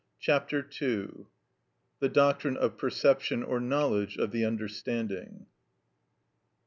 Chapter II. The Doctrine of Perception or Knowledge Of The Understanding.